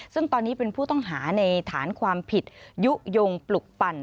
ซึ่งตอนนี้เป็นผู้ต้องหาในฐานความผิดยุโยงปลุกปั่น